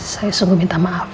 saya sungguh minta maaf